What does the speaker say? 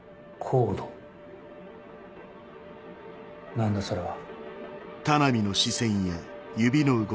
何だそれは。